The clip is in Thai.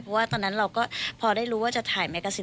เพราะว่าตอนนั้นเราก็พอได้รู้ว่าจะถ่ายแมกกาซิน